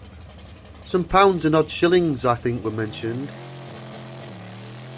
Some pounds, and odd shillings, I think, were mentioned.